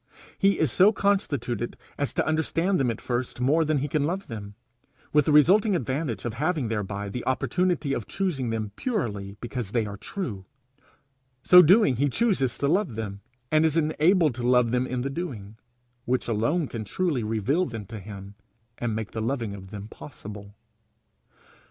He is so constituted as to understand them at first more than he can love them, with the resulting advantage of having thereby the opportunity of choosing them purely because they are true; so doing he chooses to love them, and is enabled to love them in the doing, which alone can truly reveal them to him, and make the loving of them possible.